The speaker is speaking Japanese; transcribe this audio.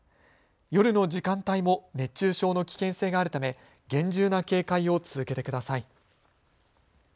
夜の時間帯も熱中症の危険性があるため厳重な警戒を続けてください。